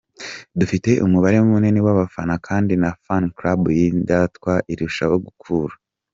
Dufite umubare munini w’abafana kandi na Fan Club y’Indatwa irushaho gukura.